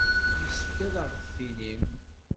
Yessefk ad aɣ-d-tinim.